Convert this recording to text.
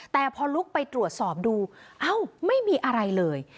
แต่พอลุกไปตรวจสอบดูเอ้าไม่มีอะไรเลย